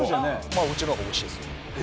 まあうちの方がおいしいですね